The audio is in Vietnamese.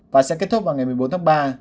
và sẽ kết thúc vào ngày một mươi bốn tháng ba